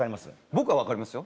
僕は分かりますよ。